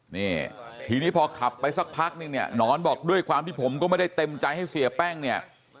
นี่ทีนี้พอขับไปสักพักนึงเนี่ยหนอนบอกด้วยความที่ผมก็ไม่ได้เต็มใจให้เสียแป้งเนี่ย